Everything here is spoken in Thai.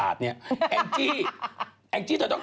คนสงสัยว่านางเป็นตุ๊ดก็เนอะ